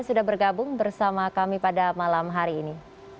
sudah bergabung bersama kami pada malam hari ini